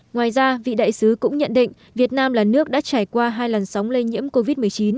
ngoài ra vị đại sứ cũng nhận định việt nam là nước đã trải qua hai lần sóng lây nhiễm covid một mươi chín